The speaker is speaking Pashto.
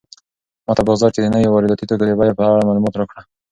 ماته په بازار کې د نويو وارداتي توکو د بیو په اړه معلومات راکړه.